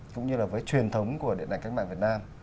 cũng như là với truyền thống của điện ảnh cách mạng việt nam